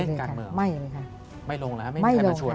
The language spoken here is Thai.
เล่นการเมือง